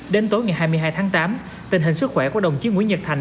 đến tối ngày hai mươi hai tháng tám tình hình sức khỏe của đồng chí nguyễn nhật thành